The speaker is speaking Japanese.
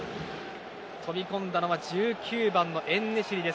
飛び込んだのは１９番のエンネシリです。